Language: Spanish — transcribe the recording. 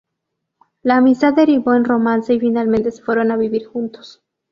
La amistad derivó en romance y finalmente se fueron a vivir juntos.